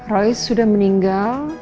roy sudah meninggal